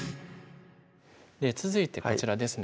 続いてこちらですね